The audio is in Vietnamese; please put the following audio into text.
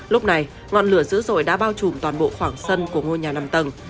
lúc này ngọn lửa dữ dội đã bao trùm toàn bộ khoảng sân của ngôi nhà năm tầng